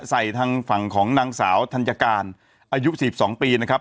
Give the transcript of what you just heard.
ใส่ทางฝั่งของนางสาวทันยการอายุสิบสองปีนะครับ